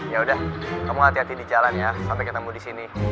yaudah kamu hati hati di jalan ya sampai ketemu disini